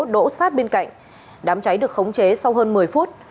đỗ sát bên cạnh đám cháy được khống chế sau hơn một mươi phút